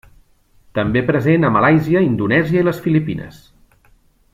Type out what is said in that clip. També present a Malàisia, Indonèsia i les Filipines.